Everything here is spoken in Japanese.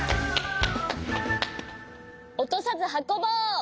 おとさずはこぼう！